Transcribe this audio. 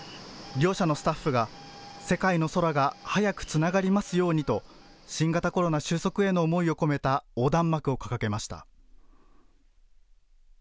両社のスタッフが、世界の空が早くつながりますようにと新型コロナ収束への思いを込めた横断幕を掲げました。